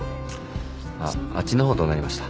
あっあっちの方どうなりました？